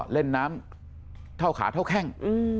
เล่นน้ำเท่าขาเท่าแข้ง